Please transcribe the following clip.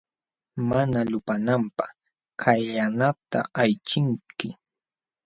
Mana lupananpaq kallanata aychinki.